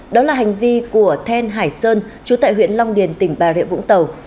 đó là hành vi của then hải sơn trú tại huyện long điền tỉnh bà rịa vũng tàu